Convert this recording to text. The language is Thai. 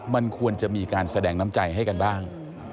มันควรจะมีการแสดงน้ำใจให้กันบ้าง